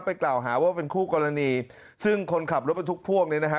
กล่าวหาว่าเป็นคู่กรณีซึ่งคนขับรถบรรทุกพ่วงเนี่ยนะฮะ